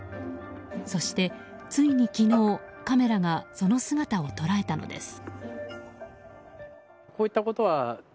そしてついに昨日カメラがその姿を捉えたのです。